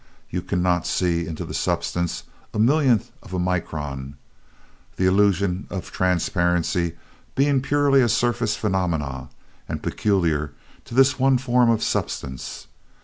You cannot see into its substance a millionth of a micron the illusion of transparency being purely a surface phenomenon, and peculiar to this one form of substance.